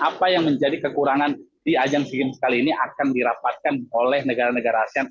apa yang menjadi kekurangan di ajang sea games kali ini akan dirapatkan oleh negara negara asean